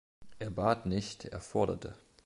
Er bat nicht, er forderte.